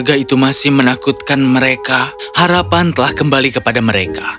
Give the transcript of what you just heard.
jika itu masih menakutkan mereka harapan telah kembali kepada mereka